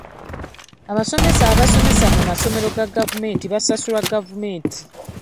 Abasomesa abasomesa mu masomero ga gavumenti basasulwa gavumenti.